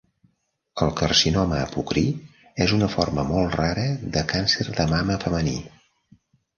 El carcinoma apocrí és una forma molt rara de càncer de mama femení.